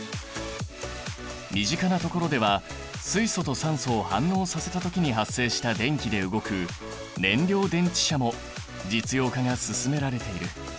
身近なところでは水素と酸素を反応させた時に発生した電気で動く燃料電池車も実用化が進められている。